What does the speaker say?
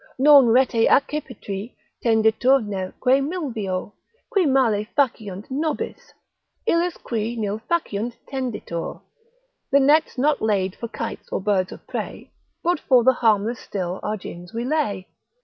Non rete accipitri tenditur neque milvio, Qui male faciunt nobis; illis qui nil faciunt tenditur. The net's not laid for kites or birds of prey, But for the harmless still our gins we lay.